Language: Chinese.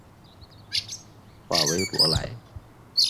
法韦罗莱。